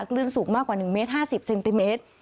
คลื่นสูงมากกว่า๑เมตร๕๐เซนติเมตร